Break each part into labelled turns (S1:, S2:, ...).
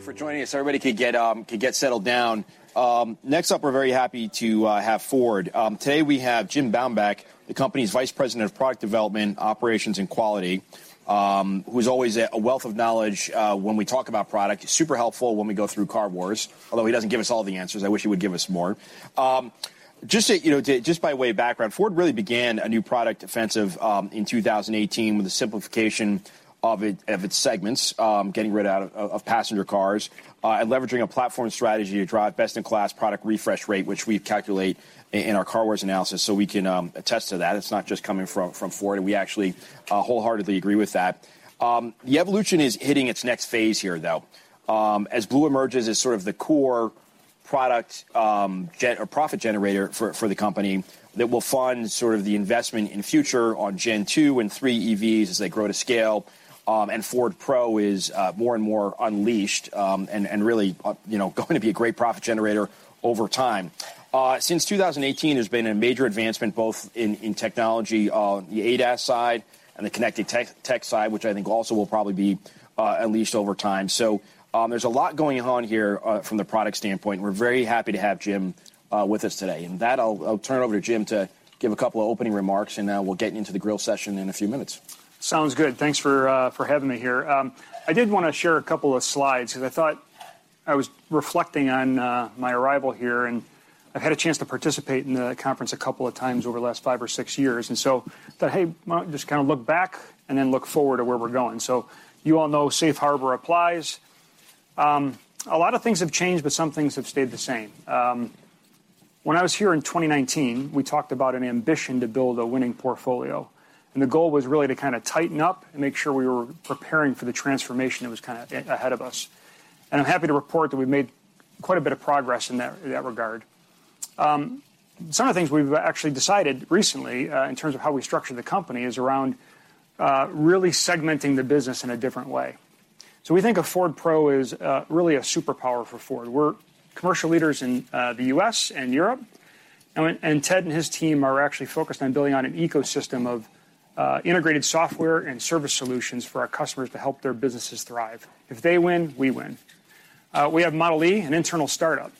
S1: For joining us. Everybody could get settled down. Next up, we're very happy to have Ford. Today we have Jim Baumbick, the company's Vice President of Product Development, Operations and Quality, who's always a wealth of knowledge when we talk about product. He's super helpful when we go through Car Wars. Although he doesn't give us all the answers, I wish he would give us more. Just, you know, by way of background, Ford really began a new product offensive in 2018 with the simplification of its segments, getting rid out of passenger cars, and leveraging a platform strategy to drive best-in-class product refresh rate, which we calculate in our Car Wars analysis, we can attest to that. It's not just coming from Ford, and we actually wholeheartedly agree with that. The evolution is hitting its next phase here, though, as Blue emerges as sort of the core product, or profit generator for the company that will fund sort of the investment in future on gen two and three EVs as they grow to scale, and Ford Pro is more and more unleashed, and really, you know, going to be a great profit generator over time. Since 2018, there's been a major advancement both in technology on the ADAS side and the connected tech side, which I think also will probably be unleashed over time. There's a lot going on here from the product standpoint. We're very happy to have Jim with us today. That I'll turn it over to Jim to give a couple of opening remarks, and we'll get into the grill session in a few minutes.
S2: Sounds good. Thanks for having me here. I did wanna share a couple of slides 'cause I thought I was reflecting on my arrival here, and I've had a chance to participate in the conference a couple of times over the last 5 or 6 years. I thought, "Hey, why don't I just kind of look back and then look forward to where we're going?" You all know safe harbor applies. A lot of things have changed, but some things have stayed the same. When I was here in 2019, we talked about an ambition to build a winning portfolio, and the goal was really to kind of tighten up and make sure we were preparing for the transformation that was ahead of us. I'm happy to report that we've made quite a bit of progress in that, in that regard. Some of the things we've actually decided recently, in terms of how we structure the company is around really segmenting the business in a different way. We think of Ford Pro as really a superpower for Ford. We're commercial leaders in the U.S. and Europe and Ted and his team are actually focused on building out an ecosystem of integrated software and service solutions for our customers to help their businesses thrive. If they win, we win. We have Model e, an internal startup.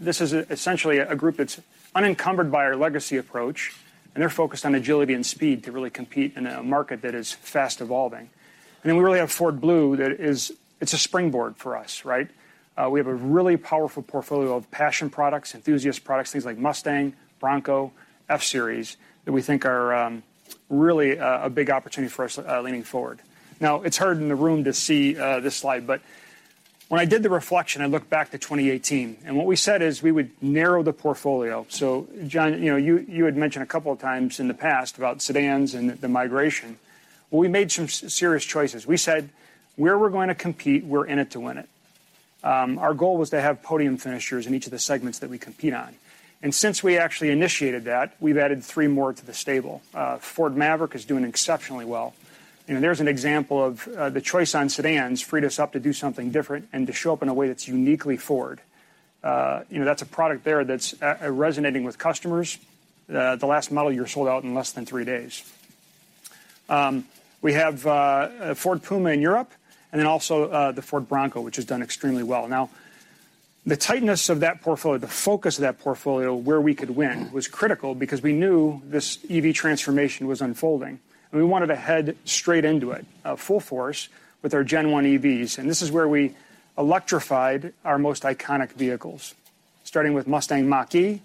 S2: This is essentially a group that's unencumbered by our legacy approach, and they're focused on agility and speed to really compete in a market that is fast evolving. Then we really have Ford Blue that is... It's a springboard for us, right? We have a really powerful portfolio of passion products, enthusiast products, things like Mustang, Bronco, F-Series, that we think are really a big opportunity for us, leaning forward. Now, it's hard in the room to see this slide, but when I did the reflection, I looked back to 2018. What we said is we would narrow the portfolio. John, you know, you had mentioned a couple of times in the past about sedans and the migration. Well, we made some serious choices. We said, "Where we're going to compete, we're in it to win it." Our goal was to have podium finishers in each of the segments that we compete on. Since we actually initiated that, we've added three more to the stable. Ford Maverick is doing exceptionally well. You know, there's an example of, the choice on sedans freed us up to do something different and to show up in a way that's uniquely Ford. You know, that's a product there that's resonating with customers. The last model year sold out in less than three days. We have Ford Puma in Europe and then also, the Ford Bronco, which has done extremely well. The tightness of that portfolio, the focus of that portfolio, where we could win was critical because we knew this EV transformation was unfolding, and we wanted to head straight into it, full force with our gen one EVs. This is where we electrified our most iconic vehicles, starting with Mustang Mach-E,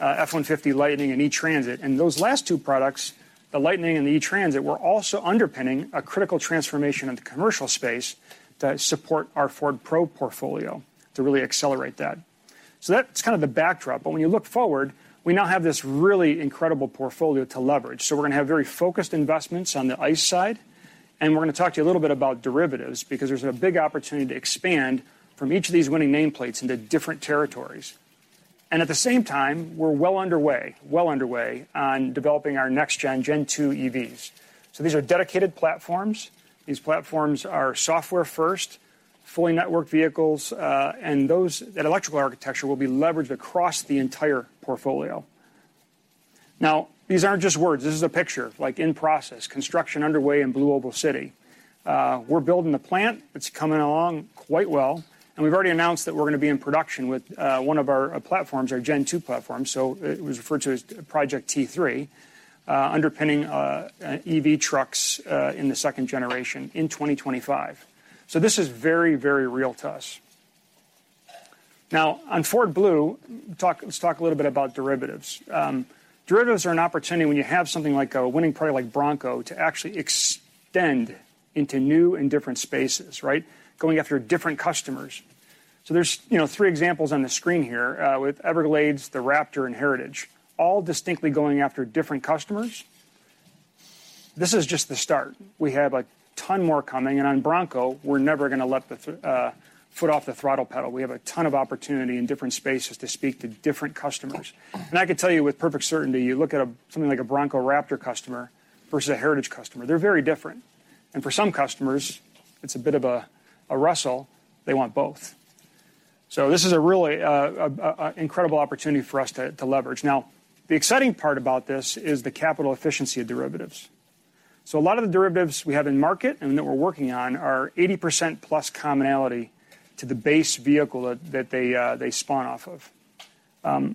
S2: F-150 Lightning and E-Transit. Those last two products, the Lightning and the E-Transit, were also underpinning a critical transformation of the commercial space to support our Ford Pro portfolio to really accelerate that. That's kind of the backdrop, but when you look forward, we now have this really incredible portfolio to leverage. We're gonna have very focused investments on the ICE side, and we're gonna talk to you a little bit about derivatives because there's a big opportunity to expand from each of these winning nameplates into different territories. At the same time, we're well underway on developing our next gen two EVs. These are dedicated platforms. These platforms are software first, fully networked vehicles, that electrical architecture will be leveraged across the entire portfolio. These aren't just words. This is a picture, like in-process, construction underway in Blue Oval City. We're building the plant. It's coming along quite well, we've already announced that we're gonna be in production with one of our platforms, our gen two platform, it was referred to as Project T3, underpinning EV trucks in the second generation in 2025. This is very, very real to us. Now, on Ford Blue, let's talk a little bit about derivatives. Derivatives are an opportunity when you have something like a winning product like Bronco to actually extend into new and different spaces, right? Going after different customers. There's, you know, three examples on the screen here with Everglades, the Raptor and Heritage, all distinctly going after different customers. This is just the start. We have a ton more coming, and on Bronco, we're never gonna let the foot off the throttle pedal. We have a ton of opportunity in different spaces to speak to different customers. I can tell you with perfect certainty, you look at something like a Bronco Raptor customer versus a Heritage customer, they're very different. For some customers, it's a bit of a rustle, they want both. This is a really incredible opportunity for us to leverage. Now, the exciting part about this is the capital efficiency of derivatives. A lot of the derivatives we have in market and that we're working on are 80% plus commonality to the base vehicle that they spawn off of.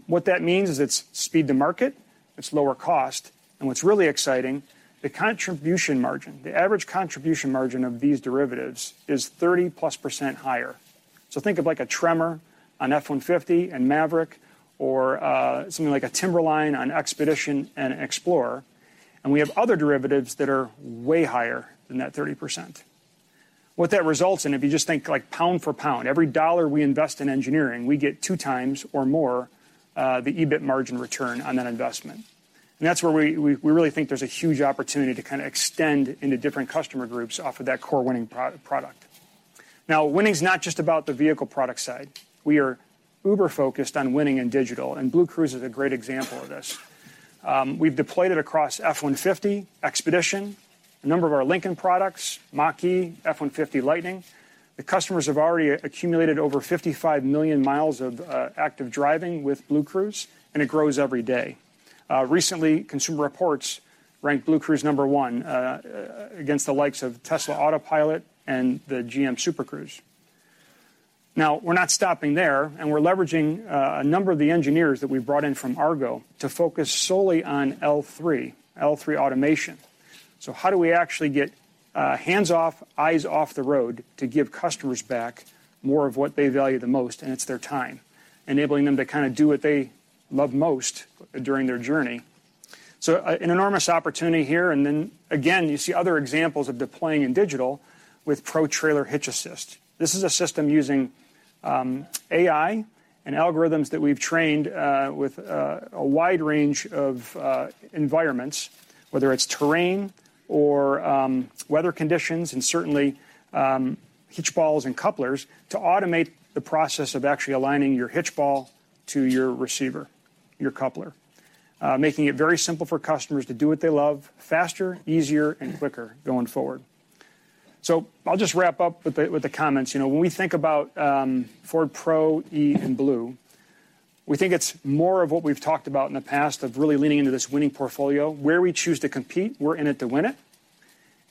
S2: What that means is it's speed to market, it's lower cost, and what's really exciting, the contribution margin, the average contribution margin of these derivatives is 30%+ higher. Think of like a Tremor, an F-150, a Maverick, or something like a Timberline, an Expedition, an Explorer, and we have other derivatives that are way higher than that 30%. What that results in, if you just think like pound for pound, every dollar we invest in engineering, we get 2 times or more the EBIT margin return on that investment. That's where we really think there's a huge opportunity to kind of extend into different customer groups off of that core winning pro-product. Now, winning's not just about the vehicle product side. We are uber focused on winning in digital, and BlueCruise is a great example of this. We've deployed it across F-150, Expedition, a number of our Lincoln products, Mach-E, F-150 Lightning. The customers have already accumulated over 55 million miles of active driving with BlueCruise, and it grows every day. Recently, Consumer Reports ranked BlueCruise number one against the likes of Tesla Autopilot and the GM Super Cruise. We're not stopping there, and we're leveraging a number of the engineers that we've brought in from Argo to focus solely on L3 automation. How do we actually get hands off, eyes off the road to give customers back more of what they value the most, and it's their time, enabling them to kind of do what they love most during their journey. An enormous opportunity here, and then again, you see other examples of deploying in digital with Pro Trailer Hitch Assist. This is a system using AI and algorithms that we've trained with a wide range of environments, whether it's terrain or weather conditions and certainly hitch balls and couplers, to automate the process of actually aligning your hitch ball to your receiver, your coupler. Making it very simple for customers to do what they love faster, easier, and quicker going forward. I'll just wrap up with the comments. You know, when we think about Ford Pro, E, and Blue, we think it's more of what we've talked about in the past of really leaning into this winning portfolio. Where we choose to compete, we're in it to win it.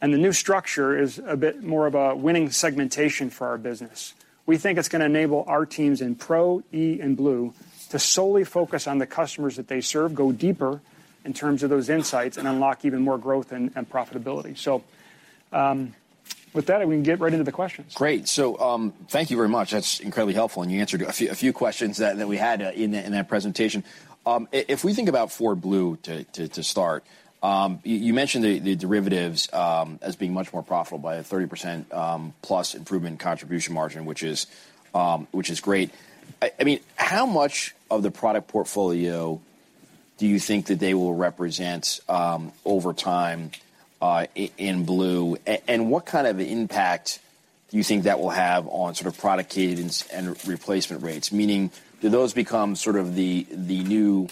S2: The new structure is a bit more of a winning segmentation for our business. We think it's gonna enable our teams in Pro, E, and Blue to solely focus on the customers that they serve, go deeper in terms of those insights, and unlock even more growth and profitability. With that, we can get right into the questions.
S1: Great. Thank you very much. That's incredibly helpful, and you answered a few questions that we had in that presentation. If we think about Ford Blue to start, you mentioned the derivatives as being much more profitable by a 30% plus improvement in contribution margin, which is great. I mean, how much of the product portfolio do you think that they will represent over time in Blue? What kind of impact do you think that will have on sort of product cadence and replacement rates? Meaning, do those become sort of the new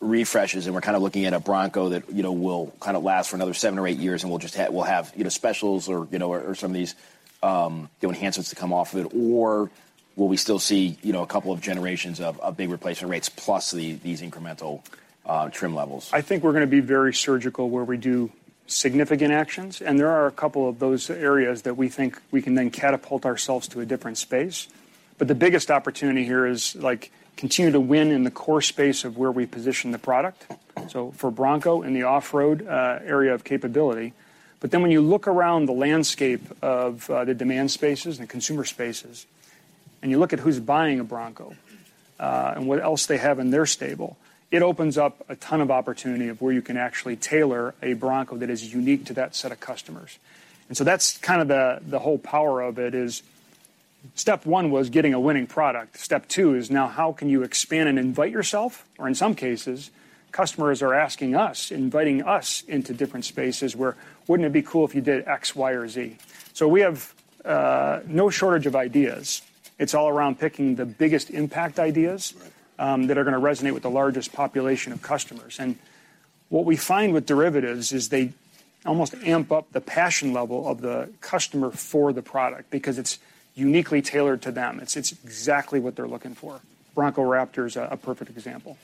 S1: refreshes, and we're kind of looking at a Bronco that, you know, will kind of last for another 7 or 8 years and we'll have, you know, specials or, you know, or some of these, you know, enhancements to come off of it, or will we still see, you know, a couple of generations of big replacement rates plus these incremental trim levels?
S2: I think we're gonna be very surgical where we do significant actions, and there are a couple of those areas that we think we can then catapult ourselves to a different space. The biggest opportunity here is, like, continue to win in the core space of where we position the product, so for Bronco in the off-road area of capability. When you look around the landscape of the demand spaces and the consumer spaces, and you look at who's buying a Bronco, and what else they have in their stable, it opens up a ton of opportunity of where you can actually tailor a Bronco that is unique to that set of customers. That's kind of the whole power of it is step one was getting a winning product. Step 2 is now how can you expand and invite yourself, or in some cases, customers are asking us, inviting us into different spaces where wouldn't it be cool if you did X, Y, or Z? We have no shortage of ideas. It's all around picking the biggest impact ideas.
S1: Right
S2: ...that are gonna resonate with the largest population of customers. What we find with derivatives is they almost amp up the passion level of the customer for the product because it's uniquely tailored to them. It's exactly what they're looking for. Bronco Raptor is a perfect example.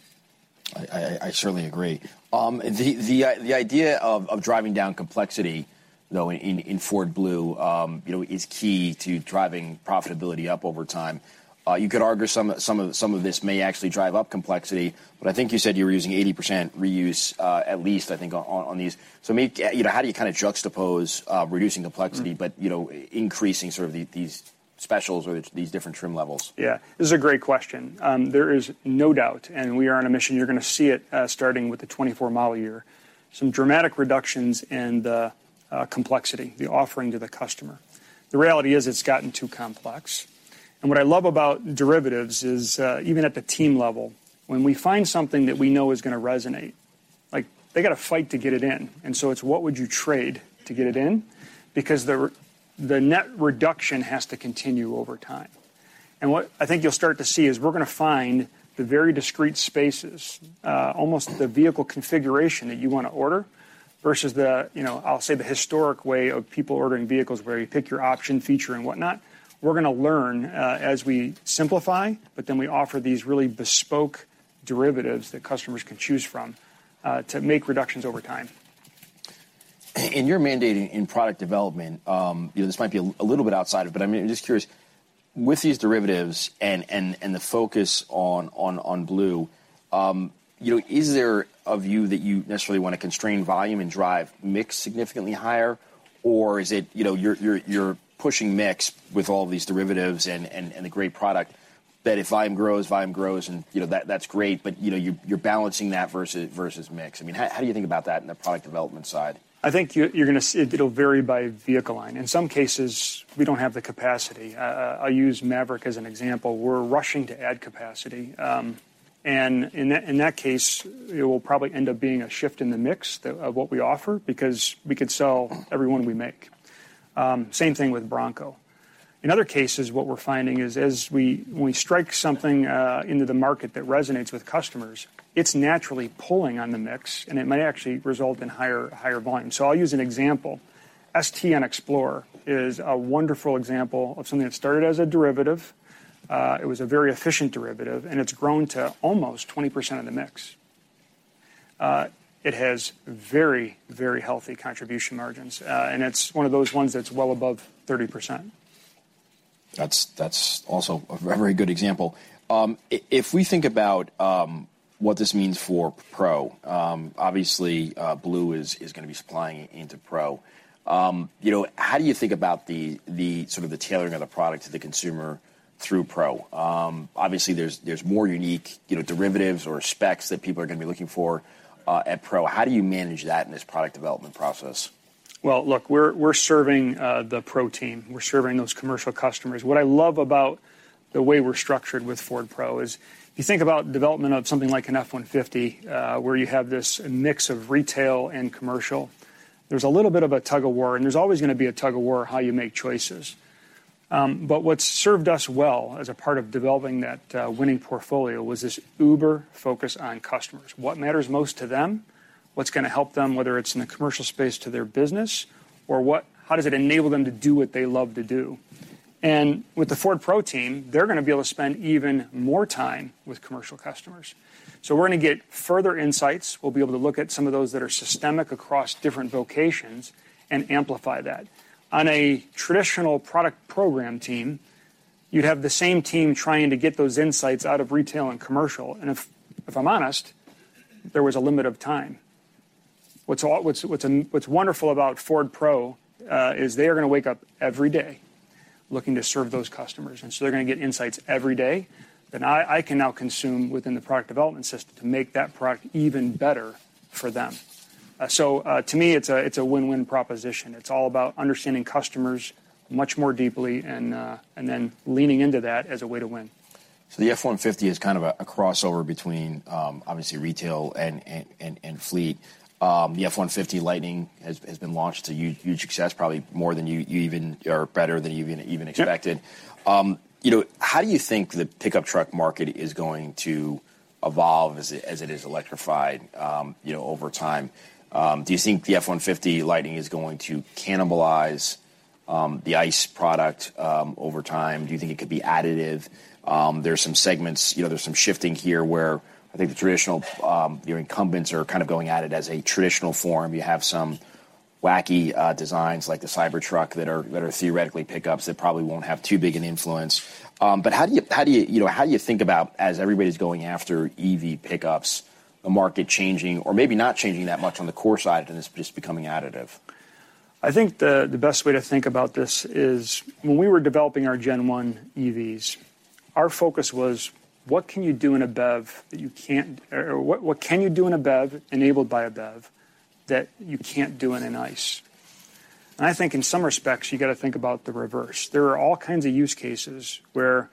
S1: I certainly agree. The idea of driving down complexity, though, in Ford Blue, you know, is key to driving profitability up over time. You could argue some of this may actually drive up complexity, but I think you said you were using 80% reuse, at least, I think, on these. You know, how do you kind of juxtapose reducing complexity?
S2: Mm
S1: ...but, you know, increasing sort of these specials or these different trim levels?
S2: Yeah. This is a great question. There is no doubt, we are on a mission, you're gonna see it, starting with the 2024 model year, some dramatic reductions in the complexity, the offering to the customer. The reality is it's gotten too complex. What I love about derivatives is, even at the team level, when we find something that we know is gonna resonate, like, they gotta fight to get it in. It's what would you trade to get it in? Because the net reduction has to continue over time. What I think you'll start to see is we're gonna find the very discreet spaces, almost the vehicle configuration that you wanna order versus the, you know, I'll say the historic way of people ordering vehicles where you pick your option, feature, and whatnot. We're gonna learn, as we simplify, but then we offer these really bespoke-... derivatives that customers can choose from, to make reductions over time.
S1: In you're mandating in product development, you know, this might be a little bit outside, but I mean, I'm just curious, with these derivatives and the focus on Blue, you know, is there a view that you necessarily wanna constrain volume and drive mix significantly higher? Or is it, you know, you're pushing mix with all these derivatives and the great product that if volume grows, volume grows and, you know, that's great, but, you know, you're balancing that versus mix. I mean, how do you think about that in the product development side?
S2: I think you're gonna see it'll vary by vehicle line. In some cases, we don't have the capacity. I'll use Maverick as an example. We're rushing to add capacity, and in that case, it will probably end up being a shift in the mix of what we offer because we could sell every one we make. Same thing with Bronco. In other cases, what we're finding is when we strike something into the market that resonates with customers, it's naturally pulling on the mix, and it might actually result in higher volume. I'll use an example. ST and Explorer is a wonderful example of something that started as a derivative, it was a very efficient derivative, and it's grown to almost 20% of the mix. It has very healthy contribution margins, and it's one of those ones that's well above 30%.
S1: That's also a very good example. If we think about what this means for Pro, obviously, Blue is gonna be supplying into Pro. you know, how do you think about the sort of the tailoring of the product to the consumer through Pro? obviously there's more unique, you know, derivatives or specs that people are gonna be looking for at Pro. How do you manage that in this product development process?
S2: Look, we're serving the Pro team. We're serving those commercial customers. What I love about the way we're structured with Ford Pro is, you think about development of something like an F-150, where you have this mix of retail and commercial, there's a little bit of a tug-of-war, and there's always gonna be a tug-of-war how you make choices. What served us well as a part of developing that winning portfolio was this uber focus on customers. What matters most to them, what's gonna help them, whether it's in the commercial space to their business, or how does it enable them to do what they love to do? With the Ford Pro team, they're gonna be able to spend even more time with commercial customers. We're gonna get further insights. We'll be able to look at some of those that are systemic across different vocations and amplify that. On a traditional product program team, you'd have the same team trying to get those insights out of retail and commercial, and if I'm honest, there was a limit of time. What's wonderful about Ford Pro is they are gonna wake up every day looking to serve those customers, and so they're gonna get insights every day that I can now consume within the product development system to make that product even better for them. To me, it's a, it's a win-win proposition. It's all about understanding customers much more deeply and then leaning into that as a way to win.
S1: The F-150 is kind of a crossover between obviously retail and fleet. The F-150 Lightning has been launched to huge success, probably more than you even or better than you even expected.
S2: Yeah.
S1: You know, how do you think the pickup truck market is going to evolve as it, as it is electrified, you know, over time? Do you think the F-150 Lightning is going to cannibalize the ICE product over time? Do you think it could be additive? There are some segments, you know, there's some shifting here where I think the traditional, you know, incumbents are kind of going at it as a traditional form. You have some wacky designs like the Cybertruck that are, that are theoretically pickups that probably won't have too big an influence. How do you, how do you know, how do you think about, as everybody's going after EV pickups, the market changing or maybe not changing that much on the core side and it's just becoming additive?
S2: I think the best way to think about this is when we were developing our gen one EVs, our focus was what can you do in a BEV, enabled by a BEV, that you can't do in an ICE? I think in some respects, you gotta think about the reverse. There are all kinds of use cases where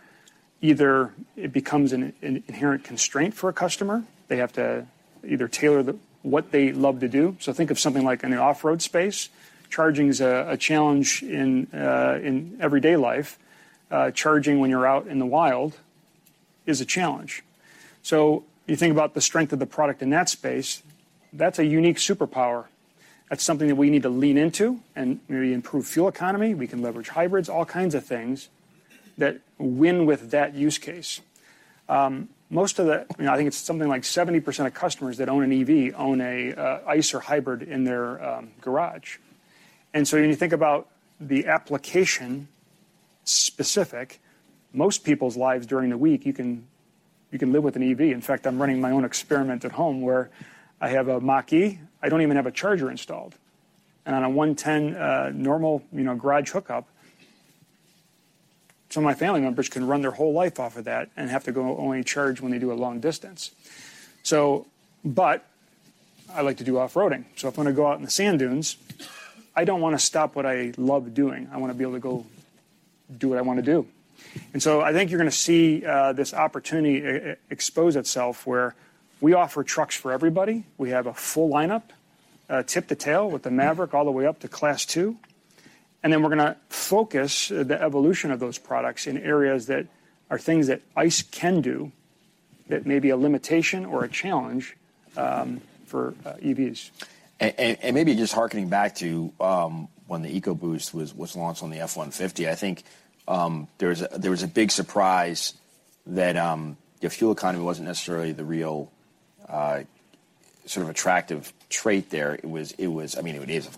S2: either it becomes an inherent constraint for a customer, they have to either tailor what they love to do. Think of something like in the off-road space, charging is a challenge in everyday life. Charging when you're out in the wild is a challenge. You think about the strength of the product in that space, that's a unique superpower. That's something that we need to lean into and maybe improve fuel economy, we can leverage hybrids, all kinds of things that win with that use case. Most of the, you know, I think it's something like 70% of customers that own an EV own a ICE or hybrid in their garage. When you think about the application specific, most people's lives during the week, you can, you can live with an EV. In fact, I'm running my own experiment at home where I have a Mach-E. I don't even have a charger installed. On a 110, normal, you know, garage hookup, some of my family members can run their whole life off of that and have to go only charge when they do a long distance. I like to do off-roading. If I wanna go out in the sand dunes, I don't wanna stop what I love doing. I wanna be able to go do what I wanna do. I think you're gonna see this opportunity expose itself where we offer trucks for everybody. We have a full lineup, tip to tail with the Maverick all the way up to Class 2. Then we're gonna focus the evolution of those products in areas that are things that ICE can do that may be a limitation or a challenge for EVs.
S1: Maybe just hearkening back to, when the EcoBoost was launched on the F-150, I think, there was a big surprise that, the fuel economy wasn't necessarily the real, sort of attractive trait there. It was... I mean, it is, of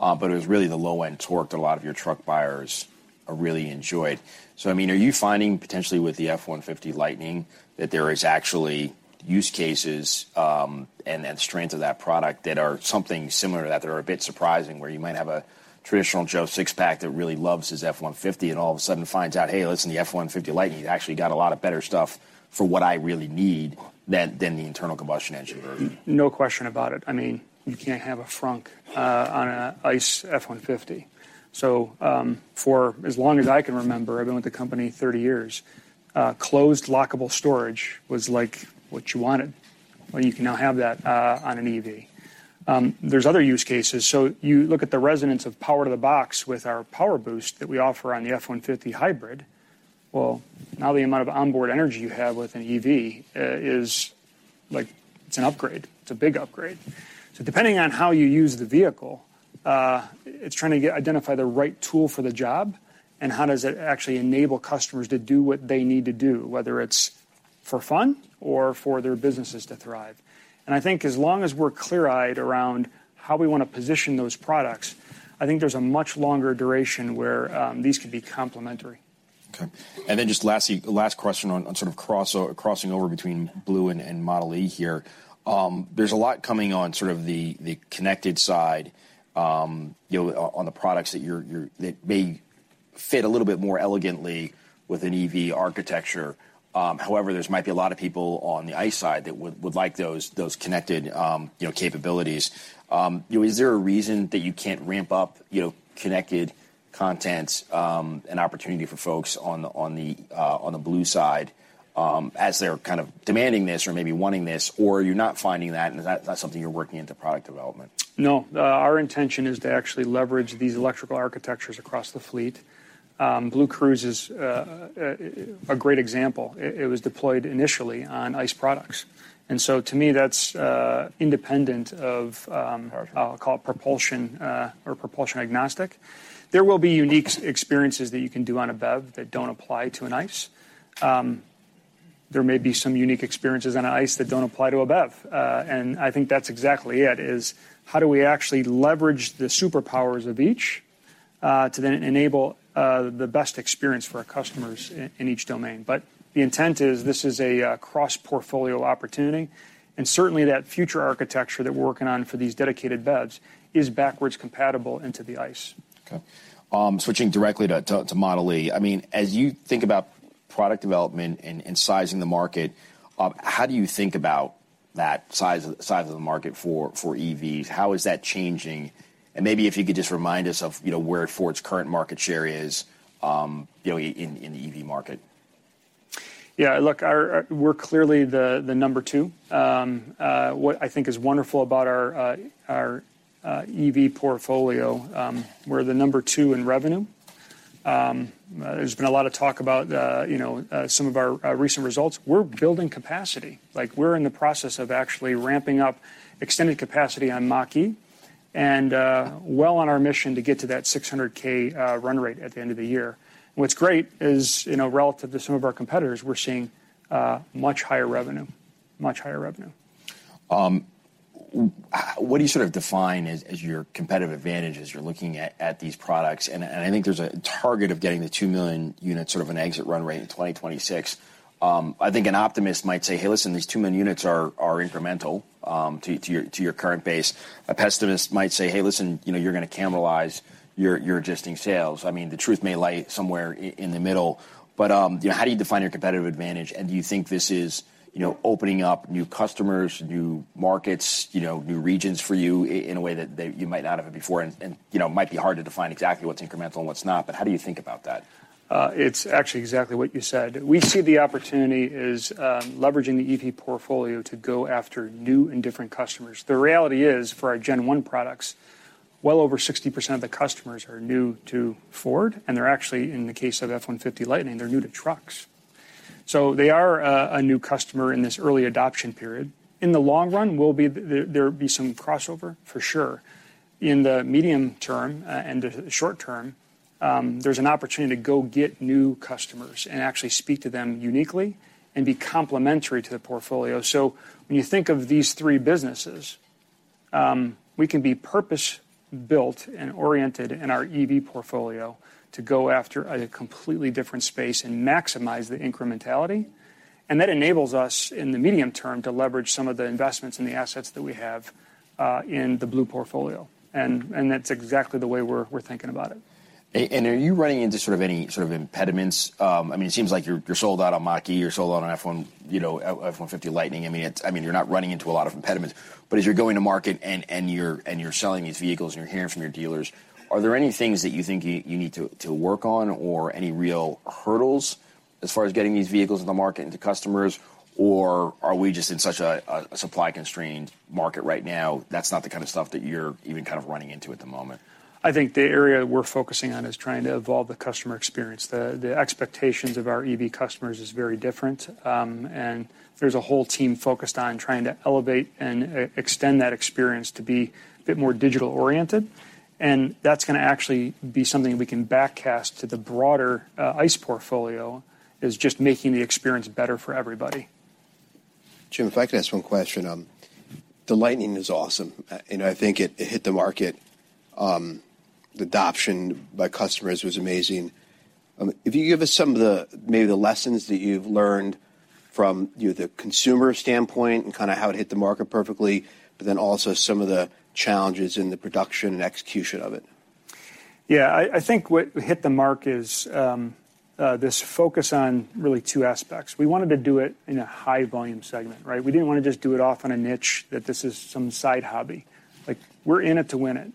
S1: course, but it was really the low-end torque that a lot of your truck buyers, really enjoyed. I mean, are you finding potentially with the F-150 Lightning that there is actually use cases, and then strengths of that product that are something similar to that are a bit surprising, where you might have a traditional Joe Sixpack that really loves his F-150 and all of a sudden finds out, "Hey, listen, the F-150 Lightning's actually got a lot of better stuff for what I really need than the internal combustion engine version"?
S2: No question about it. I mean, you can't have a frunk on a ICE F-150. For as long as I can remember, I've been with the company 30 years, closed lockable storage was, like, what you wanted. Well, you can now have that on an EV. There's other use cases. You look at the resonance of power to the box with our PowerBoost that we offer on the F-150 hybrid, well, now the amount of onboard energy you have with an EV, is like, it's an upgrade. It's a big upgrade. Depending on how you use the vehicle, it's trying to identify the right tool for the job and how does it actually enable customers to do what they need to do, whether it's for fun or for their businesses to thrive. I think as long as we're clear-eyed around how we wanna position those products, I think there's a much longer duration where these could be complementary.
S1: Okay. Just lastly, last question on crossing over between Ford Blue and Ford Model e here. There's a lot coming on sort of the connected side, you know, on the products that you're that may fit a little bit more elegantly with an EV architecture. However, there's might be a lot of people on the ICE side that would like those connected, you know, capabilities. You know, is there a reason that you can't ramp up, you know, connected content, an opportunity for folks on the Ford Blue side, as they're kind of demanding this or maybe wanting this, or you're not finding that and that's something you're working into product development?
S2: No. Our intention is to actually leverage these electrical architectures across the fleet. BlueCruise is a great example. It was deployed initially on ICE products. To me, that's independent of.
S1: Powertrain.
S2: I'll call it propulsion, or propulsion agnostic. There will be unique experiences that you can do on a BEV that don't apply to an ICE. There may be some unique experiences on an ICE that don't apply to a BEV. I think that's exactly it, is how do we actually leverage the superpowers of each, to then enable the best experience for our customers in each domain? The intent is this is a cross-portfolio opportunity, and certainly that future architecture that we're working on for these dedicated BEVs is backwards compatible into the ICE.
S1: Okay. Switching directly to Model e, I mean, as you think about product development and sizing the market, how do you think about that size of the market for EVs? How is that changing? Maybe if you could just remind us of, you know, where Ford's current market share is, you know, in the EV market.
S2: Yeah, look, our, we're clearly the number 2. What I think is wonderful about our EV portfolio, we're the number 2 in revenue. There's been a lot of talk about, you know, our recent results. We're building capacity. Like, we're in the process of actually ramping up extended capacity on Mach-E and well on our mission to get to that 600K run rate at the end of the year. What's great is, you know, relative to some of our competitors, we're seeing much higher revenue.
S1: What do you sort of define as your competitive advantage as you're looking at these products? I think there's a target of getting the 2 million units, sort of an exit run rate in 2026. I think an optimist might say, "Hey, listen, these 2 million units are incremental to your current base." A pessimist might say, "Hey, listen, you know, you're gonna cannibalize your existing sales." I mean, the truth may lie somewhere in the middle, but, you know, how do you define your competitive advantage? Do you think this is, you know, opening up new customers, new markets, you know, new regions for you in a way that you might not have before and, you know, might be hard to define exactly what's incremental and what's not, but how do you think about that?
S2: It's actually exactly what you said. We see the opportunity is leveraging the EV portfolio to go after new and different customers. The reality is, for our gen one products, well over 60% of the customers are new to Ford, and they're actually, in the case of F-150 Lightning, they're new to trucks. They are a new customer in this early adoption period. In the long run, there'll be some crossover? For sure. In the medium term, and the short term, there's an opportunity to go get new customers and actually speak to them uniquely and be complementary to the portfolio. When you think of these three businesses, we can be purpose-built and oriented in our EV portfolio to go after a completely different space and maximize the incrementality, and that enables us, in the medium term, to leverage some of the investments and the assets that we have, in the Blue portfolio and that's exactly the way we're thinking about it.
S1: Are you running into sort of any sort of impediments? I mean, it seems like you're sold out on Mach-E, you're sold out on F-150 Lightning. I mean, you're not running into a lot of impediments. As you're going to market and you're selling these vehicles and you're hearing from your dealers, are there any things that you think you need to work on or any real hurdles as far as getting these vehicles in the market and to customers, or are we just in such a supply-constrained market right now, that's not the kind of stuff that you're even kind of running into at the moment?
S2: I think the area we're focusing on is trying to evolve the customer experience. The expectations of our EV customers is very different. There's a whole team focused on trying to elevate and extend that experience to be a bit more digital-oriented. That's gonna actually be something we can backcast to the broader ICE portfolio, is just making the experience better for everybody.
S1: Jim, if I could ask one question. The Lightning is awesome, and I think it hit the market, the adoption by customers was amazing. If you give us some of the, maybe the lessons that you've learned from, you know, the consumer standpoint and kinda how it hit the market perfectly, but then also some of the challenges in the production and execution of it?
S2: Yeah. I think what hit the mark is, this focus on really 2 aspects. We wanted to do it in a high volume segment, right? We didn't wanna just do it off on a niche, that this is some side hobby. Like, we're in it to win it.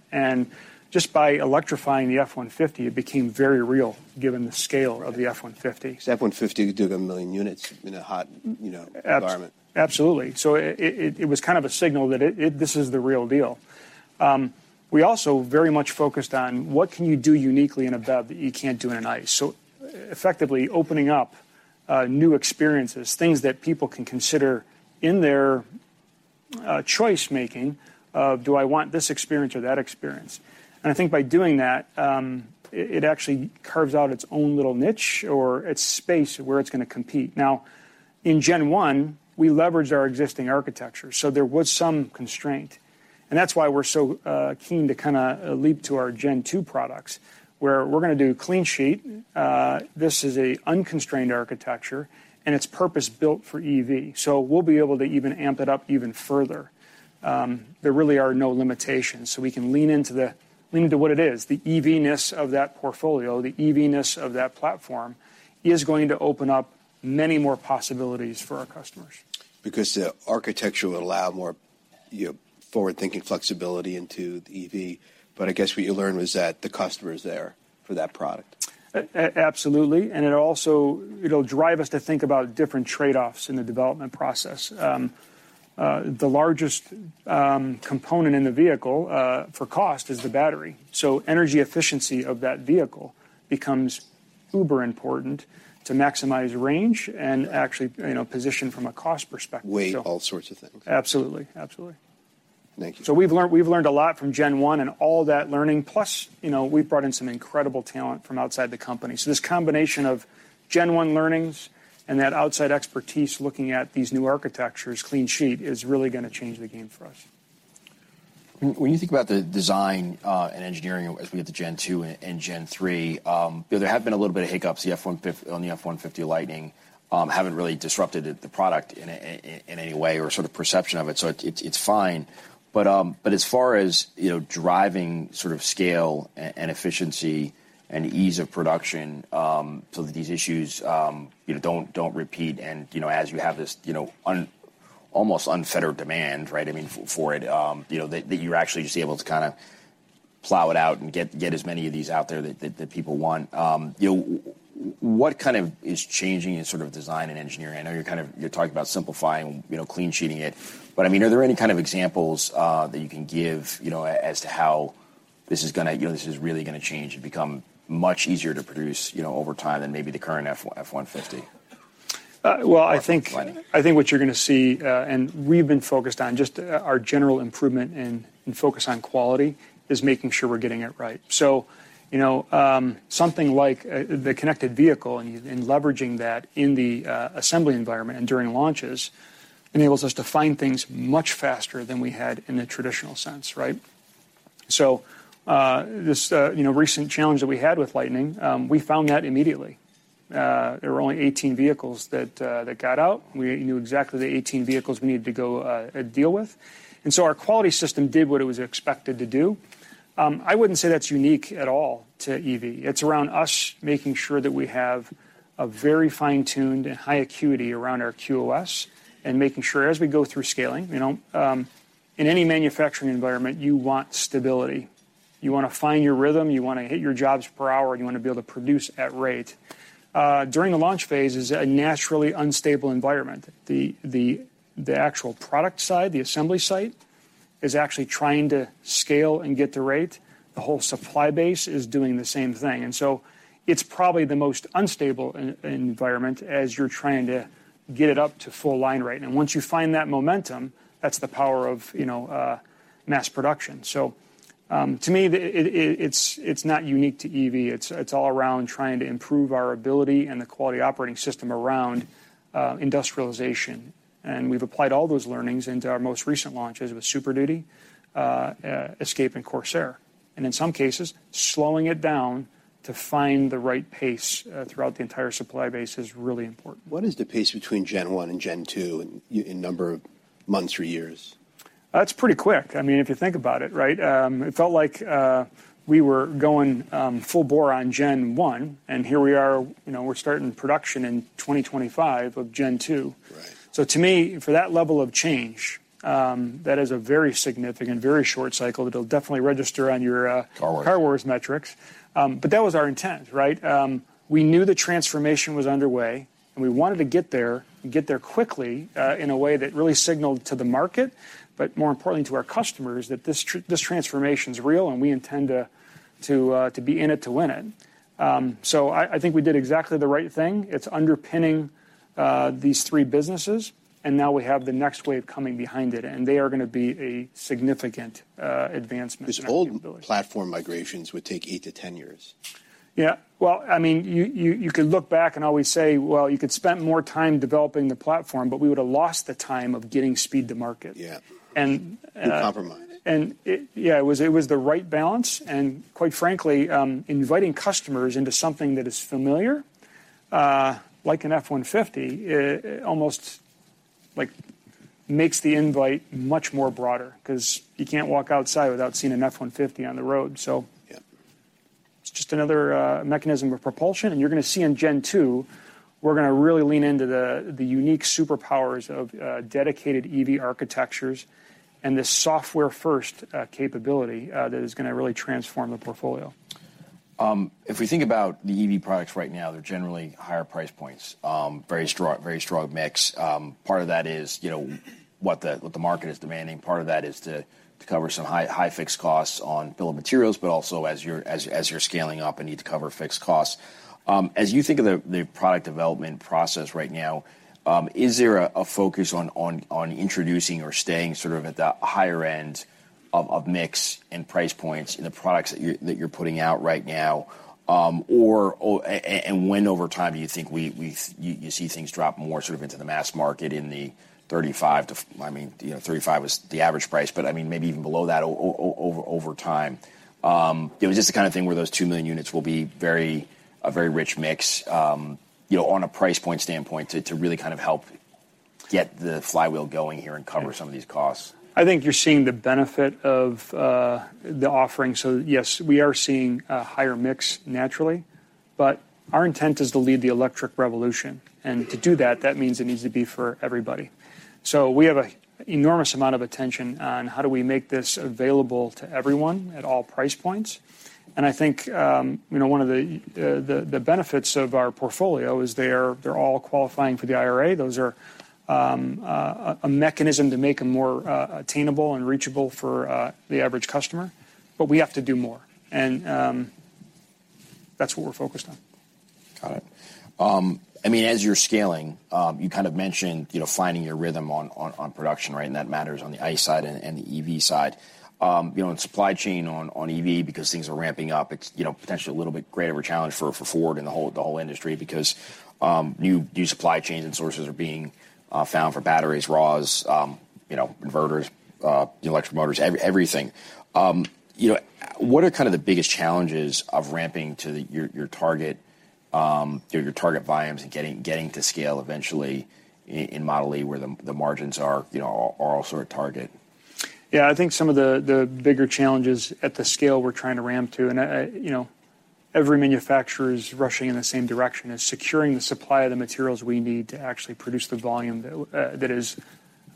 S2: Just by electrifying the F-150, it became very real given the scale of the F-150.
S1: Cause F-150, you do like 1 million units in a hot, you know.
S2: Ab-...
S1: environment.
S2: Absolutely. It was kind of a signal that this is the real deal. We also very much focused on what can you do uniquely in a bed that you can't do in an ICE? Effectively opening up new experiences, things that people can consider in their choice making of do I want this experience or that experience? I think by doing that, it actually carves out its own little niche or its space where it's gonna compete. In gen one, we leveraged our existing architecture, so there was some constraint, and that's why we're so keen to kinda leap to our gen two products where we're gonna do clean sheet. This is a unconstrained architecture and it's purpose-built for EV, so we'll be able to even amp it up even further. There really are no limitations, so we can lean to what it is. The EV-ness of that portfolio, the EV-ness of that platform is going to open up many more possibilities for our customers.
S1: The architecture will allow more, you know, forward-thinking flexibility into the EV, but I guess what you learned was that the customer is there for that product.
S2: Absolutely. It'll also, it'll drive us to think about different trade-offs in the development process. The largest component in the vehicle for cost is the battery. Energy efficiency of that vehicle becomes uber important to maximize range and actually, you know, position from a cost perspective.
S1: Weigh all sorts of things.
S2: Absolutely. Absolutely.
S1: Thank you.
S2: We've learned a lot from gen one and all that learning, plus, you know, we've brought in some incredible talent from outside the company. This combination of gen one learnings and that outside expertise looking at these new architectures clean sheet is really gonna change the game for us.
S1: When you think about the design and engineering as we get to gen two and gen three, you know, there have been a little bit of hiccups on the F-150 Lightning, haven't really disrupted it, the product in any way or sort of perception of it, so it's fine. As far as, you know, driving sort of scale and efficiency and ease of production, so that these issues, you know, don't repeat. You know, as you have this, you know, almost unfettered demand, right, I mean, for it, you know, that you're actually just able to kinda plow it out and get as many of these out there that people want. You know, what kind of is changing in sort of design and engineering? I know you're talking about simplifying, you know, clean sheeting it, but, I mean, are there any kind of examples that you can give, you know, as to how this is gonna, you know, this is really gonna change and become much easier to produce, you know, over time than maybe the current F-150?
S2: Well, I think.
S1: or Lightning?
S2: I think what you're gonna see, and we've been focused on just our general improvement and focus on quality, is making sure we're getting it right. You know, something like the connected vehicle and leveraging that in the assembly environment and during launches enables us to find things much faster than we had in a traditional sense, right? This, you know, recent challenge that we had with Lightning, we found that immediately. There were only 18 vehicles that got out. We knew exactly the 18 vehicles we needed to go deal with. Our quality system did what it was expected to do. I wouldn't say that's unique at all to EV. It's around us making sure that we have a very fine-tuned and high acuity around our QOS and making sure as we go through scaling, you know, in any manufacturing environment, you want stability. You wanna find your rhythm, you wanna hit your jobs per hour, and you wanna be able to produce at rate. During a launch phase is a naturally unstable environment. The actual product side, the assembly site, is actually trying to scale and get to rate. The whole supply base is doing the same thing. It's probably the most unstable environment as you're trying to get it up to full line rate. Once you find that momentum, that's the power of, you know, mass production. To me, it's not unique to EV. It's all around trying to improve our ability and the quality operating system around industrialization. We've applied all those learnings into our most recent launches with Super Duty, Escape and Corsair, and in some cases, slowing it down to find the right pace throughout the entire supply base is really important.
S1: What is the pace between gen one and gen two in number of months or years?
S2: It's pretty quick. I mean, if you think about it, right? It felt like, we were going, full bore on gen one. Here we are, you know, we're starting production in 2025 of gen two.
S1: Right.
S2: To me, for that level of change, that is a very significant, very short cycle that'll definitely register on your.
S1: Car Wars....
S2: Car Wars metrics. That was our intent, right? We knew the transformation was underway, and we wanted to get there and get there quickly, in a way that really signaled to the market, but more importantly to our customers that this transformation's real, and we intend to be in it to win it. I think we did exactly the right thing. It's underpinning these three businesses, and now we have the next wave coming behind it, and they are gonna be a significant advancement in our capability.
S1: Old platform migrations would take 8-10 years.
S2: Yeah. Well, I mean, you could look back and always say, well, you could spend more time developing the platform, but we would've lost the time of getting speed to market.
S1: Yeah.
S2: And, uh-
S1: You compromise.
S2: It was the right balance and, quite frankly, inviting customers into something that is familiar, like an F-150, almost like, makes the invite much more broader, 'cause you can't walk outside without seeing an F-150 on the road.
S1: Yeah...
S2: it's just another mechanism of propulsion, and you're gonna see in gen two, we're gonna really lean into the unique superpowers of dedicated EV architectures and the software-first capability that is gonna really transform the portfolio.
S1: If we think about the EV products right now, they're generally higher price points. Very strong mix. Part of that is, you know, what the market is demanding. Part of that is to cover some high fixed costs on bill of materials, but also as you're scaling up and need to cover fixed costs. As you think of the product development process right now, is there a focus on introducing or staying sort of at that higher end of mix and price points in the products that you're putting out right now? When over time do you think we, you see things drop more sort of into the mass market in the 35 to, I mean, you know, 35 is the average price, but I mean, maybe even below that over time? You know, is this the kind of thing where those 2 million units will be very, a very rich mix, you know, on a price point standpoint to really kind of help get the flywheel going here and cover some of these costs?
S2: I think you're seeing the benefit of the offering. Yes, we are seeing a higher mix naturally, but our intent is to lead the electric revolution. To do that means it needs to be for everybody. We have an enormous amount of attention on how do we make this available to everyone at all price points. I think, you know, one of the benefits of our portfolio is they're all qualifying for the IRA. Those are a mechanism to make them more attainable and reachable for the average customer. We have to do more. That's what we're focused on.
S1: Got it. I mean, as you're scaling, you kind of mentioned, you know, finding your rhythm on production, right? And that matters on the ICE side and the EV side. You know, and supply chain on EV, because things are ramping up, it's, you know, potentially a little bit greater a challenge for Ford and the whole industry because new supply chains and sources are being found for batteries, raws, you know, inverters, electric motors, everything. You know, what are kind of the biggest challenges of ramping to your target, you know, your target volumes and getting to scale eventually in Model e where the margins are, you know, also a target?
S2: Yeah. I think some of the bigger challenges at the scale we're trying to ramp to, you know, every manufacturer is rushing in the same direction, is securing the supply of the materials we need to actually produce the volume that is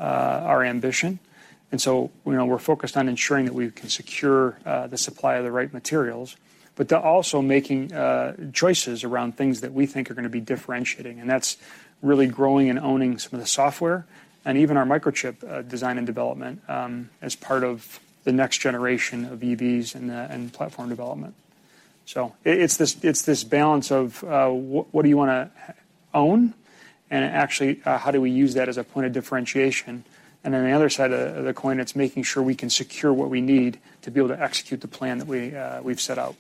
S2: our ambition. You know, we're focused on ensuring that we can secure the supply of the right materials, but to also making choices around things that we think are gonna be differentiating, and that's really growing and owning some of the software and even our microchip design and development as part of the next generation of EVs and platform development. It's this balance of what do you wanna own and actually how do we use that as a point of differentiation? The other side of the coin, it's making sure we can secure what we need to be able to execute the plan that we've set out.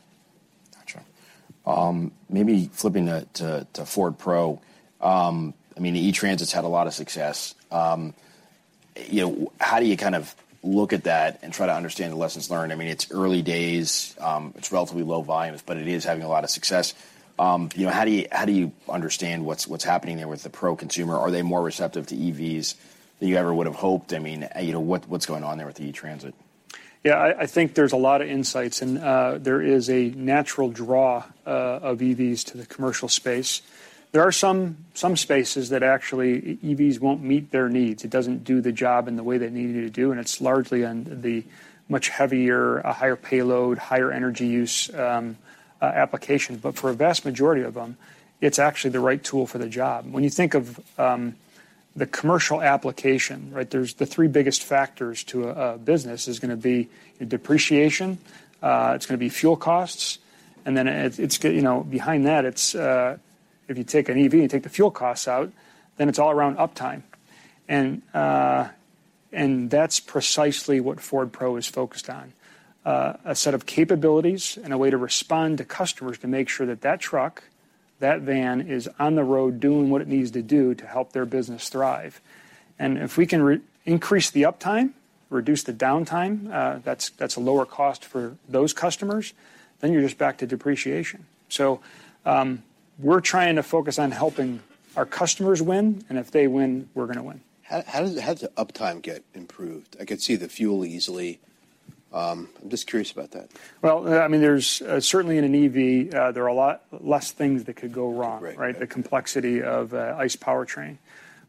S1: Gotcha. maybe flipping it to Ford Pro. I mean, the E-Transit's had a lot of success. you know, how do you kind of look at that and try to understand the lessons learned? I mean, it's early days. it's relatively low volumes, but it is having a lot of success. you know, how do you, how do you understand what's happening there with the pro consumer? Are they more receptive to EVs than you ever would've hoped? I mean, you know, what's going on there with the E-Transit?
S2: Yeah, I think there's a lot of insights and there is a natural draw of EVs to the commercial space. There are some spaces that actually EVs won't meet their needs. It doesn't do the job in the way they need it to do, and it's largely on the much heavier, a higher payload, higher energy use application. For a vast majority of them, it's actually the right tool for the job. When you think of the commercial application, right? There's the three biggest factors to a business is gonna be a depreciation, it's gonna be fuel costs, and then it's, you know, behind that, it's, if you take an EV and take the fuel costs out, then it's all around uptime. That's precisely what Ford Pro is focused on. A set of capabilities and a way to respond to customers to make sure that that truck, that van is on the road doing what it needs to do to help their business thrive. If we can increase the uptime, reduce the downtime, that's a lower cost for those customers, then you're just back to depreciation. We're trying to focus on helping our customers win, and if they win, we're gonna win.
S1: How does the uptime get improved? I could see the fuel easily. I'm just curious about that.
S2: Well, I mean, there's certainly in an EV, there are a lot less things that could go wrong.
S1: Right...
S2: right? The complexity of ICE powertrain.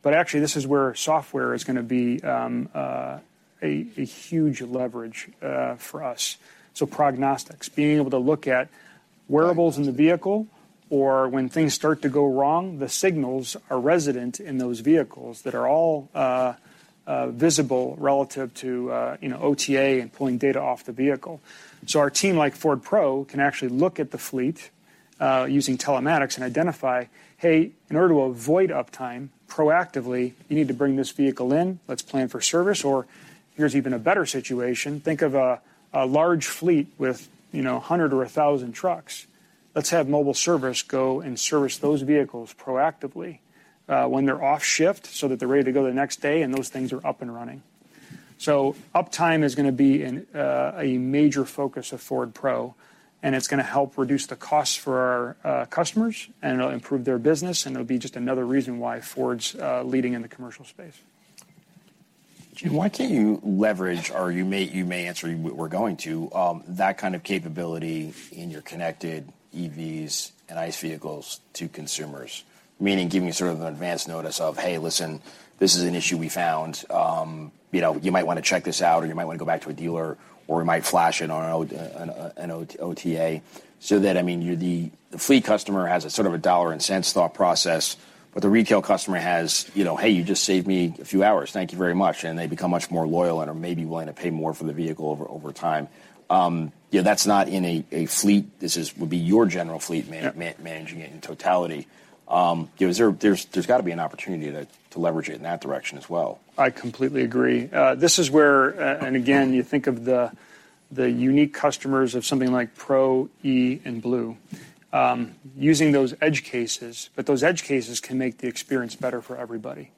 S2: Actually, this is where software is gonna be a huge leverage for us. Prognostics, being able to look at wearables in the vehicle, or when things start to go wrong, the signals are resident in those vehicles that are all visible relative to, you know, OTA and pulling data off the vehicle. Our team like Ford Pro can actually look at the fleet using telematics and identify, "Hey, in order to avoid uptime, proactively, you need to bring this vehicle in. Let's plan for service." Here's even a better situation. Think of a large fleet with, you know, 100 or 1,000 trucks. Let's have mobile service go and service those vehicles proactively, when they're off shift, so that they're ready to go the next day and those things are up and running. Uptime is gonna be a major focus of Ford Pro, and it's gonna help reduce the costs for our customers, and it'll improve their business, and it'll be just another reason why Ford's leading in the commercial space.
S1: Jim. Why can't you leverage, or you may, you may answer we're going to, that kind of capability in your connected EVs and ICE vehicles to consumers? Meaning giving sort of an advanced notice of, "Hey, listen, this is an issue we found. You know, you might wanna check this out, or you might wanna go back to a dealer, or we might flash it on an OTA." That, I mean, you're the fleet customer has a sort of a dollar and cents thought process, but the retail customer has, you know, "Hey, you just saved me a few hours. Thank you very much." They become much more loyal and are maybe willing to pay more for the vehicle over time. You know, that's not in a fleet. This would be your general fleet managing it in totality. you know, there's gotta be an opportunity to leverage it in that direction as well.
S2: I completely agree. This is where, and again, you think of the unique customers of something like Pro, E, and Blue, using those edge cases, but those edge cases can make the experience better for everybody.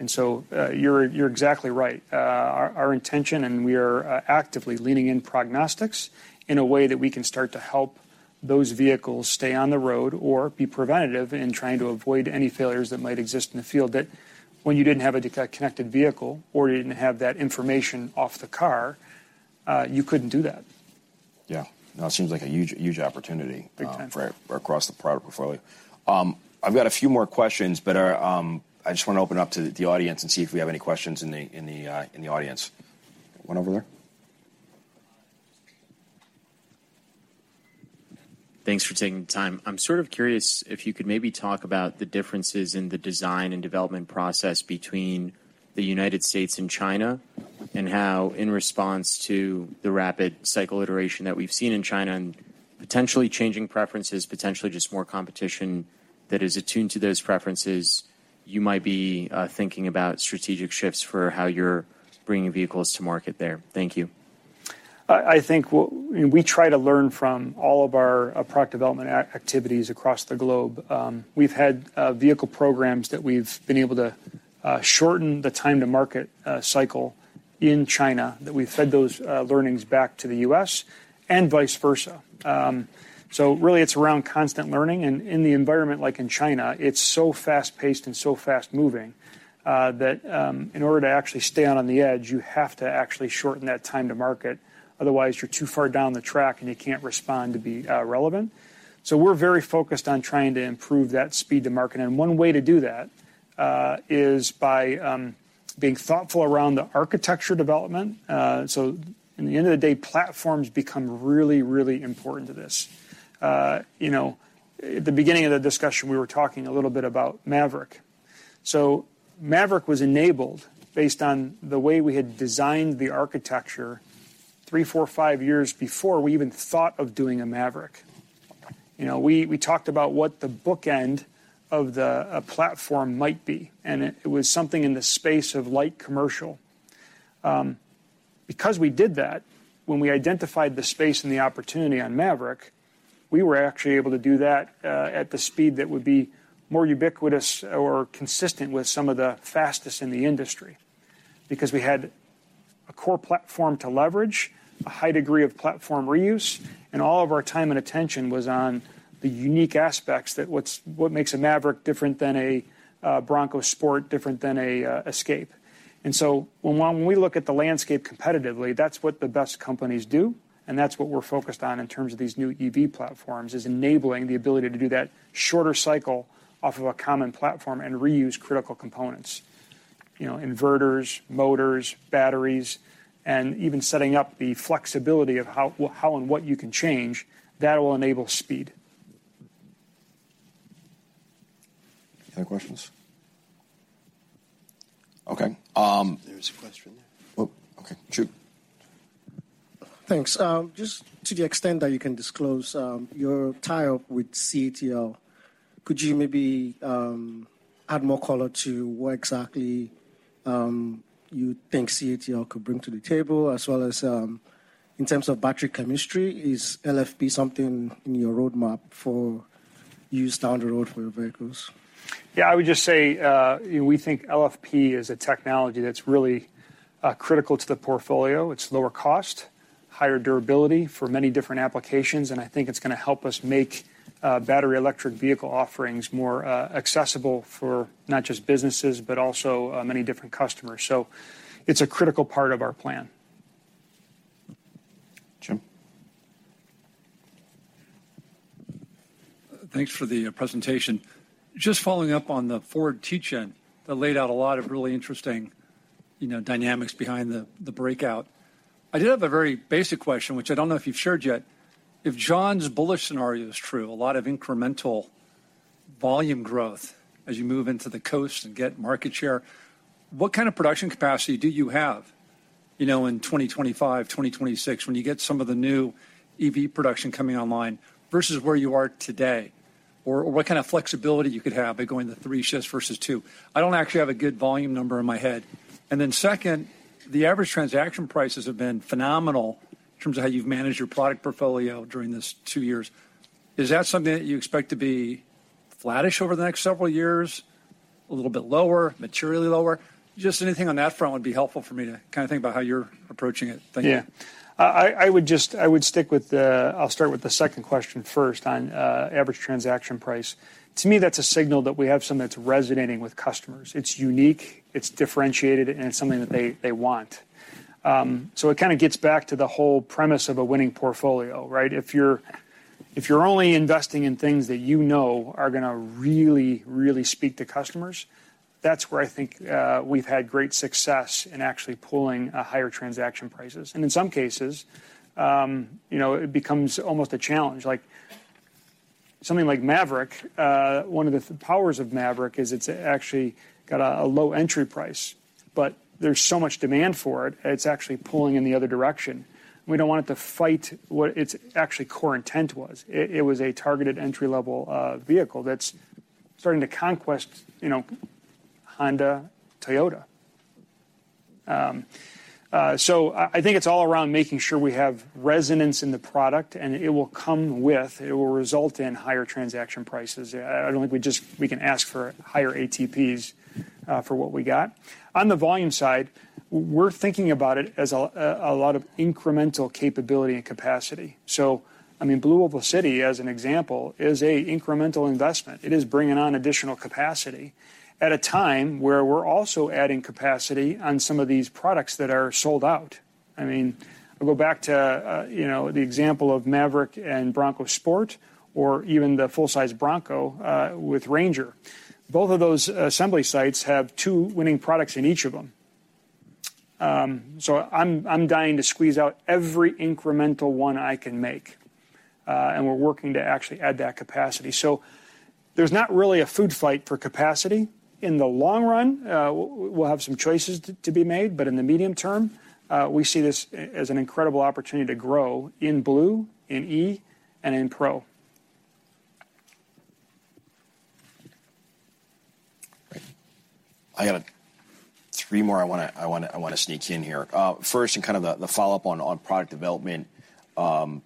S2: You're exactly right. Our intention, and we are actively leaning in prognostics in a way that we can start to help those vehicles stay on the road or be preventative in trying to avoid any failures that might exist in the field that when you didn't have a connected vehicle or you didn't have that information off the car, you couldn't do that.
S1: Yeah. No, it seems like a huge opportunity...
S2: Big time.
S1: ...across the product portfolio. I've got a few more questions. I just wanna open up to the audience and see if we have any questions in the audience. One over there. Thanks for taking the time. I'm sort of curious if you could maybe talk about the differences in the design and development process between the United States and China, and how, in response to the rapid cycle iteration that we've seen in China and potentially changing preferences, potentially just more competition that is attuned to those preferences, you might be thinking about strategic shifts for how you're bringing vehicles to market there. Thank you.
S2: I think, you know, we try to learn from all of our product development activities across the globe. We've had vehicle programs that we've been able to shorten the time to market cycle in China, that we fed those learnings back to the U.S. and vice versa. Really it's around constant learning. In the environment like in China, it's so fast-paced and so fast-moving that in order to actually stay on the edge, you have to actually shorten that time to market. Otherwise, you're too far down the track, and you can't respond to be relevant. We're very focused on trying to improve that speed to market. One way to do that is by being thoughtful around the architecture development. In the end of the day, platforms become really, really important to this. You know, at the beginning of the discussion, we were talking a little bit about Maverick. Maverick was enabled based on the way we had designed the architecture three, four, five years before we even thought of doing a Maverick. You know, we talked about what the bookend of the a platform might be, and it was something in the space of light commercial. Because we did that, when we identified the space and the opportunity on Maverick, we were actually able to do that at the speed that would be more ubiquitous or consistent with some of the fastest in the industry because we had a core platform to leverage, a high degree of platform reuse, and all of our time and attention was on the unique aspects that what makes a Maverick different than a Bronco Sport different than a Escape. When we look at the landscape competitively, that's what the best companies do, and that's what we're focused on in terms of these new EV platforms, is enabling the ability to do that shorter cycle off of a common platform and reuse critical components. You know, inverters, motors, batteries, and even setting up the flexibility of how and what you can change, that will enable speed.
S1: Any questions? Okay. There's a question there. Oh, okay. Chu. Thanks. Just to the extent that you can disclose, your tie-up with CATL, could you maybe, add more color to what exactly, you think CATL could bring to the table? In terms of battery chemistry, is LFP something in your roadmap for use down the road for your vehicles?
S2: Yeah, I would just say, you know, we think LFP is a technology that's really critical to the portfolio. It's lower cost, higher durability for many different applications, and I think it's gonna help us make battery electric vehicle offerings more accessible for not just businesses, but also many different customers. It's a critical part of our plan.
S1: Jim. Thanks for the presentation. Just following up on the Ford+ plan that laid out a lot of really interesting, you know, dynamics behind the breakout. I did have a very basic question, which I don't know if you've shared yet. If John's bullish scenario is true, a lot of incremental volume growth as you move into the coast and get market share, what kind of production capacity do you have, you know, in 2025, 2026 when you get some of the new EV production coming online versus where you are today, or what kind of flexibility you could have by going to 3 shifts versus 2? I don't actually have a good volume number in my head. Then second, the average transaction prices have been phenomenal in terms of how you've managed your product portfolio during this 2 years. Is that something that you expect? Flattish over the next several years, a little bit lower, materially lower. Just anything on that front would be helpful for me to kind of think about how you're approaching it. Thank you.
S2: Yeah. I would stick with the. I'll start with the second question first on average transaction price. To me, that's a signal that we have something that's resonating with customers. It's unique, it's differentiated, and it's something that they want. It kinda gets back to the whole premise of a winning portfolio, right? If you're, if you're only investing in things that you know are gonna really, really speak to customers, that's where I think we've had great success in actually pulling higher transaction prices. In some cases, you know, it becomes almost a challenge. Like, something like Maverick, one of the powers of Maverick is it's actually got a low entry price. There's so much demand for it's actually pulling in the other direction. We don't want it to fight what its actually core intent was. It was a targeted entry-level vehicle that's starting to conquest, you know, Honda, Toyota. I think it's all around making sure we have resonance in the product, and it will result in higher transaction prices. I don't think we can ask for higher ATPs for what we got. On the volume side, we're thinking about it as a lot of incremental capability and capacity. I mean, Blue Oval City, as an example, is a incremental investment. It is bringing on additional capacity at a time where we're also adding capacity on some of these products that are sold out. I mean, I'll go back to, you know, the example of Maverick and Bronco Sport, or even the full size Bronco, with Ranger. Both of those assembly sites have two winning products in each of them. I'm dying to squeeze out every incremental one I can make, and we're working to actually add that capacity. There's not really a food fight for capacity. In the long run, we'll have some choices to be made, but in the medium term, we see this as an incredible opportunity to grow in Blue, in E, and in Pro.
S1: I got three more I wanna sneak in here. First and kind of the follow-up on product development, you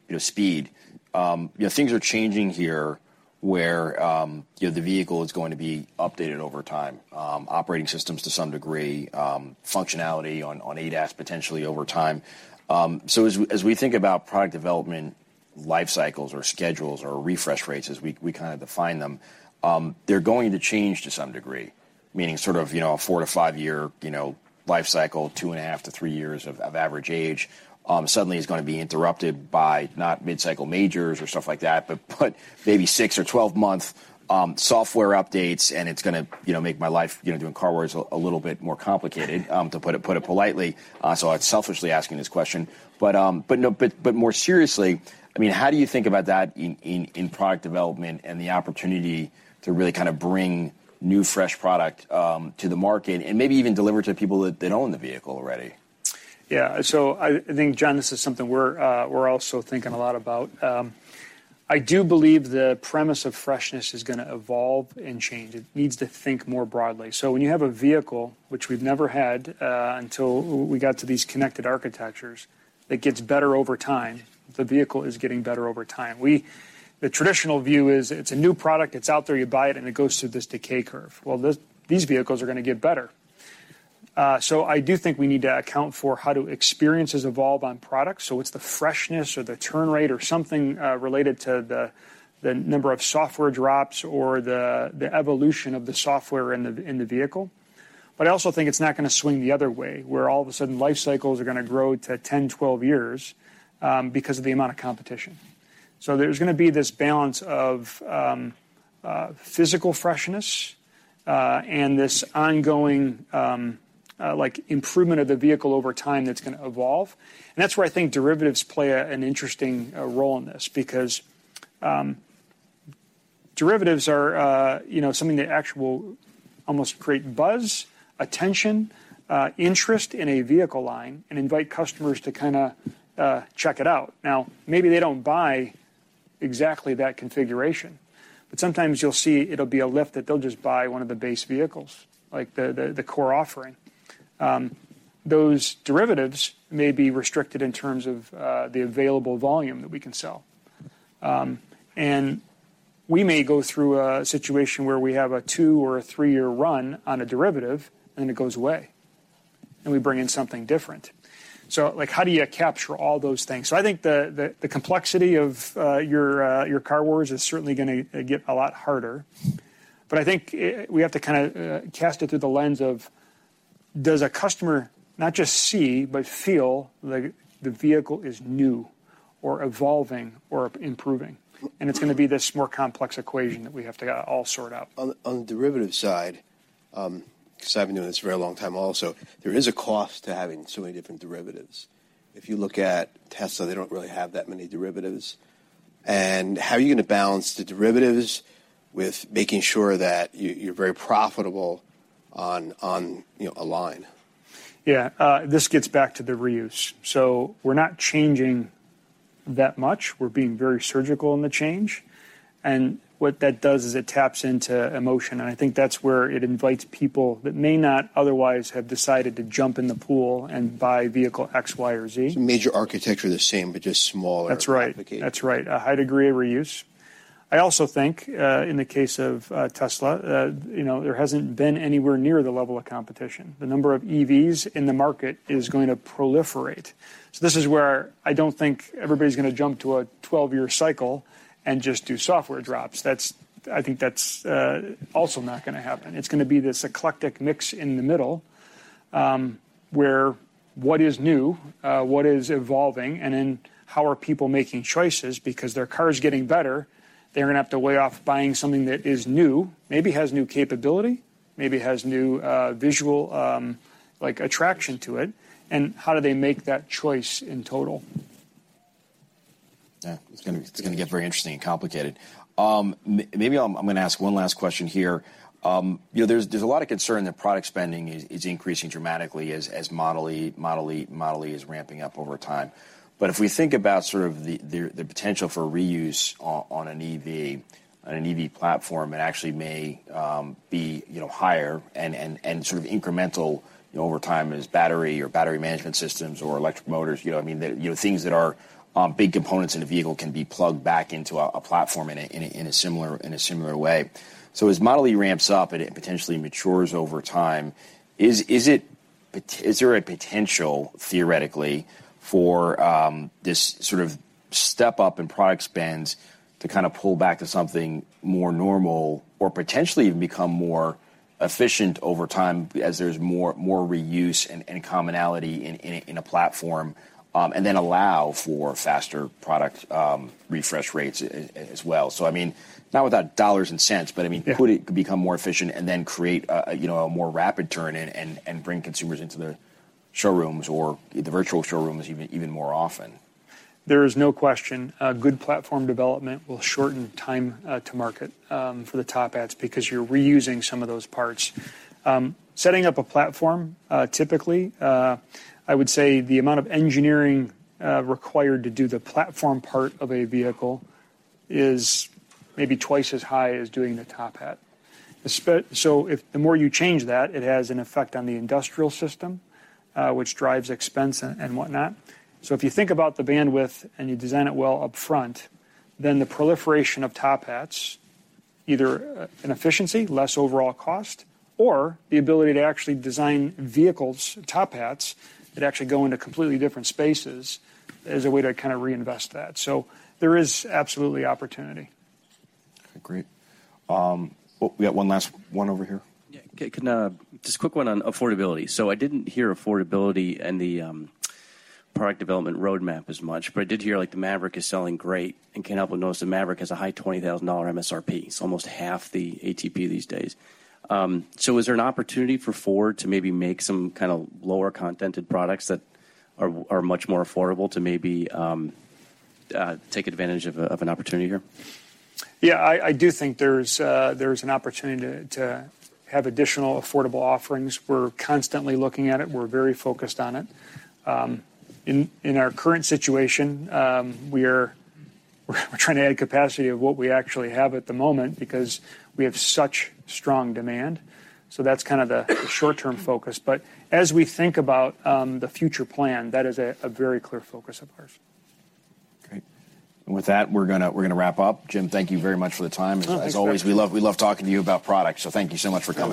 S1: know, speed. You know, things are changing here where, you know, the vehicle is going to be updated over time, operating systems to some degree, functionality on ADAS potentially over time. As we think about product development life cycles or schedules or refresh rates, as we kind of define them, they're going to change to some degree, meaning sort of, you know, a 4-5 year, you know, life cycle, 2.5-3 years of average age, suddenly is gonna be interrupted by not mid-cycle majors or stuff like that, but maybe 6 or 12-month software updates, and it's gonna, you know, make my life, you know, doing Car Wars a little bit more complicated, to put it politely. I'm selfishly asking this question. More seriously, I mean, how do you think about that in product development and the opportunity to really kind of bring new, fresh product to the market and maybe even deliver to people that don't own the vehicle already?
S2: I think, John, this is something we're also thinking a lot about. I do believe the premise of freshness is gonna evolve and change. It needs to think more broadly. When you have a vehicle, which we've never had, until we got to these connected architectures, that gets better over time, the vehicle is getting better over time. The traditional view is it's a new product, it's out there, you buy it, and it goes through this decay curve. These vehicles are gonna get better. I do think we need to account for how do experiences evolve on products. It's the freshness or the turn rate or something related to the number of software drops or the evolution of the software in the vehicle. I also think it's not gonna swing the other way, where all of a sudden life cycles are gonna grow to 10, 12 years, because of the amount of competition. There's gonna be this balance of physical freshness, and this ongoing, like, improvement of the vehicle over time that's gonna evolve. That's where I think derivatives play an interesting role in this because derivatives are, you know, something that actual almost create buzz, attention, interest in a vehicle line and invite customers to kinda check it out. Now, maybe they don't buy exactly that configuration, but sometimes you'll see it'll be a lift that they'll just buy one of the base vehicles, like the core offering. Those derivatives may be restricted in terms of the available volume that we can sell. We may go through a situation where we have a 2 or a 3-year run on a derivative, and it goes away, and we bring in something different. Like, how do you capture all those things? I think the complexity of your Car Wars is certainly gonna get a lot harder. I think we have to kinda cast it through the lens of does a customer not just see but feel the vehicle is new or evolving or improving? It's gonna be this more complex equation that we have to all sort out.
S1: On the derivative side, 'cause I've been doing this a very long time also, there is a cost to having so many different derivatives. If you look at Tesla, they don't really have that many derivatives. How are you gonna balance the derivatives with making sure that you're very profitable on, you know, a line?
S2: Yeah. This gets back to the reuse. We're not changing-That much, we're being very surgical in the change. What that does is it taps into emotion. I think that's where it invites people that may not otherwise have decided to jump in the pool and buy vehicle X, Y, or Z.
S1: Major architecture the same, but just smaller.
S2: That's right.
S1: -application.
S2: That's right. A high degree of reuse. I also think, in the case of Tesla, you know, there hasn't been anywhere near the level of competition. The number of EVs in the market is going to proliferate. This is where I don't think everybody's gonna jump to a 12-year cycle and just do software drops. I think that's also not gonna happen. It's gonna be this eclectic mix in the middle, where what is new, what is evolving, and then how are people making choices because their car is getting better, they're gonna have to weigh off buying something that is new, maybe has new capability, maybe has new visual, like attraction to it, and how do they make that choice in total?
S1: Yeah. It's gonna get very interesting and complicated. Maybe I'm gonna ask 1 last question here. You know, there's a lot of concern that product spending is increasing dramatically as Model e is ramping up over time. If we think about sort of the potential for reuse on an EV platform, it actually may be, you know, higher and sort of incremental, you know, over time as battery or battery management systems or electric motors, you know, I mean, the, you know, things that are big components in a vehicle can be plugged back into a platform in a similar way. As Model e ramps up and it potentially matures over time, is it? Is there a potential theoretically for this sort of step up in product spends to kind of pull back to something more normal or potentially even become more efficient over time as there's more reuse and commonality in a platform, and then allow for faster product refresh rates as well? I mean, not without dollars and cents, but I mean.
S2: Yeah...
S1: could it become more efficient and then create a, you know, a more rapid turn and bring consumers into the showrooms or the virtual showrooms even more often?
S2: There is no question, good platform development will shorten time to market for the top hats because you're reusing some of those parts. Setting up a platform typically, I would say the amount of engineering required to do the platform part of a vehicle is maybe twice as high as doing the top hat. So if the more you change that, it has an effect on the industrial system, which drives expense and whatnot. If you think about the bandwidth and you design it well upfront, then the proliferation of top hats, either an efficiency, less overall cost, or the ability to actually design vehicles, top hats, that actually go into completely different spaces as a way to kind of reinvest that. There is absolutely opportunity.
S1: Okay, great. We got one last one over here. Yeah. Just a quick one on affordability. I didn't hear affordability and the product development roadmap as much, but I did hear, like, the Maverick is selling great and can't help but notice the Maverick has a high $20,000 MSRP, so almost half the ATP these days. Is there an opportunity for Ford to maybe make some kind of lower-contented products that are much more affordable to maybe take advantage of an opportunity here?
S2: Yeah, I do think there's an opportunity to have additional affordable offerings. We're constantly looking at it. We're very focused on it. In our current situation, we're trying to add capacity of what we actually have at the moment because we have such strong demand. That's kind of the short-term focus. As we think about the future plan, that is a very clear focus of ours.
S1: Great. With that, we're gonna wrap up. Jim, thank you very much for the time.
S2: Oh, it's a pleasure.
S1: As always, we love talking to you about products. Thank you so much for coming.